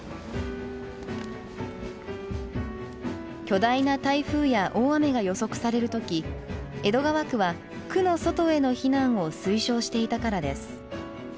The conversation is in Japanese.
巨大な台風や大雨が予測される時江戸川区は「区の外への避難」を推奨していたからです。